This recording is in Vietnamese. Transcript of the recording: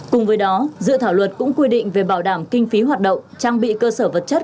cùng với đó dự thảo luật cũng quy định về bảo đảm kinh phí hoạt động trang bị cơ sở vật chất